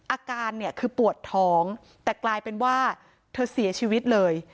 อาการเนี่ยคือปวดท้องแต่กลายเป็นว่าเธอเสียชีวิตเลย